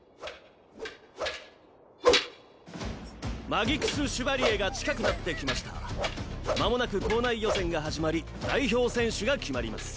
マギクス・シュバリエが近くなってきましたまもなく校内予選が始まり代表選手が決まります